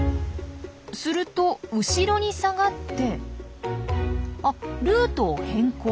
すると後ろに下がってあルートを変更。